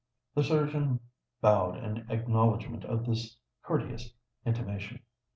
The surgeon bowed in acknowledgment of this courteous intimation.